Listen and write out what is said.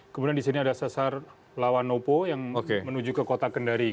kemudian di sini ada sesar lawan nopo yang menuju ke kota kendari